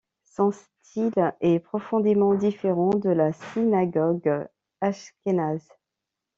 Son style est profondément différent de la synagogue ashkénaze.